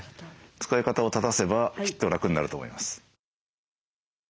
使い方を正せばきっと楽になると思います。